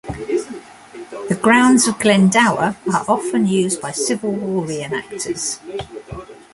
The grounds of Glendower are often used by Civil War reenactors.